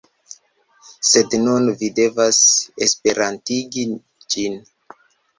Sed nun, vi devas Esperantigi ĝin.